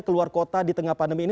keluar kota di tengah pandemi ini